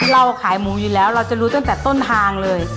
เราขายหมูอยู่แล้วเราจะรู้ตั้งแต่ต้นทางเลย